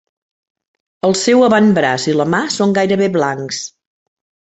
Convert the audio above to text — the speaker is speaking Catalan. El seu avantbraç i la mà són gairebé blancs.